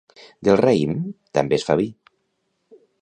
Del raïm, també es fa vi.